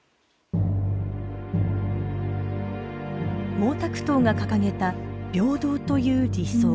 毛沢東が掲げた平等という理想。